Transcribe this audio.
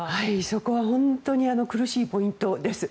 そこは本当に苦しいポイントです。